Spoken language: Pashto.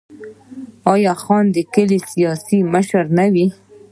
آیا خان د کلي سیاسي مشر نه وي؟